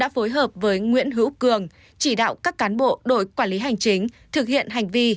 phối hợp với nguyễn hữu cường chỉ đạo các cán bộ đội quản lý hành chính thực hiện hành vi